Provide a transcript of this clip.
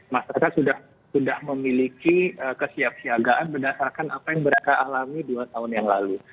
masyarakat sudah memiliki kesiapsiagaan berdasarkan apa yang mereka alami dua tahun yang lalu